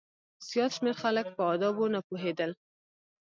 زیات شمېر خلک په آدابو نه پوهېدل.